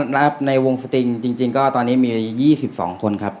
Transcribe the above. แล้วในวงสติงจริงก็ตอนนี้มี๒๒คนครับ